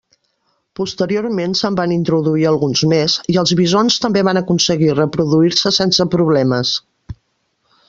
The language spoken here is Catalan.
Posteriorment se'n va introduir alguns més, i els bisons també van aconseguir reproduir-se sense problemes.